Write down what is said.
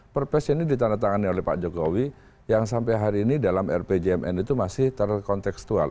perpres ini ditandatangani oleh pak jokowi yang sampai hari ini dalam rpjmn itu masih terkontekstual